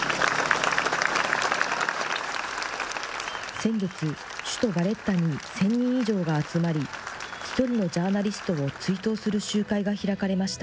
先月、首都バレッタに１０００人以上が集まり、１人のジャーナリストを追悼する集会が開かれました。